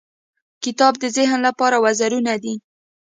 • کتاب د ذهن لپاره وزرونه دي.